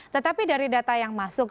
tetapi dari data yang masuk